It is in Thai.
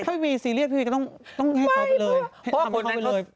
ถ้าพี่มีซีเรียสพี่ก็ต้องให้เขาไปเลย